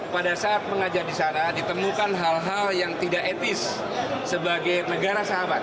pada saat mengajar di sana ditemukan hal hal yang tidak etis sebagai negara sahabat